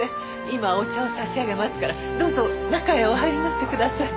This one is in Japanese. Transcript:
今お茶を差し上げますからどうぞ中へお入りになってください。